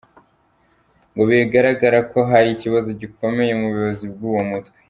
Ngo bigaragara ko hari ikibazo gikomeye mu buyobozi bw’uwo mutwe.